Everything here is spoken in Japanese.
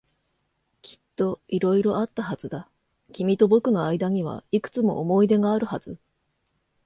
きっと色々あったはずだ。君と僕の間にはいくつも思い出があるはず。